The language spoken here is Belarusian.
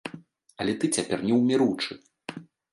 Але ты цяпер неўміручы.